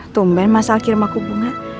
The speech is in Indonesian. tumben masal kirimanku bunga